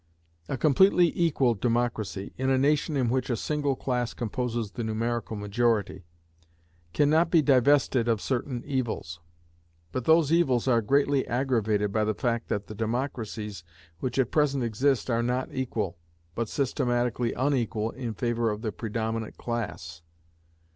A completely equal democracy, in a nation in which a single class composes the numerical majority, can not be divested of certain evils; but those evils are greatly aggravated by the fact that the democracies which at present exist are not equal, but systematically unequal in favor of the predominant class.